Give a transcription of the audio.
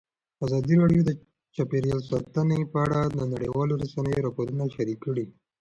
ازادي راډیو د چاپیریال ساتنه په اړه د نړیوالو رسنیو راپورونه شریک کړي.